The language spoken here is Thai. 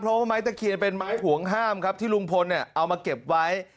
เพราะว่าไม้ตะเคียนเป็นไม้ห่วงห้ามครับที่ลุงพลเอามาเก็บไว้